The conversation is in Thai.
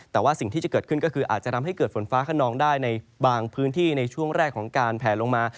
แต่ว่าสิ่งที่จะเกิดขึ้นก็คืออาจจะทำให้เกิดฝนฟ้าขนองได้ในบางพื้นที่ในช่วงแรกของการแผลลงมา